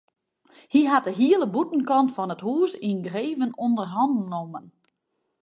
Hy hat de hiele bûtenkant fan it hûs yngreven ûnder hannen nommen.